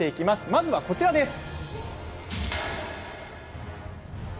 まずはこちらです。